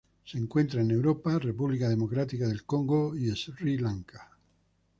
Se encuentra en Europa, República Democrática del Congo y Sri Lanka.